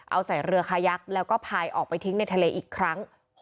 เอาใส่เรือคายักษ์แล้วก็พายออกไปทิ้งในทะเลอีกครั้ง